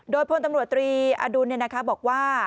โดยพลตำรวจตรีอดุลบอกว่า